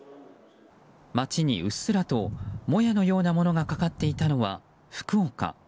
街にうっすらともやのようなものがかかっていたのは福岡。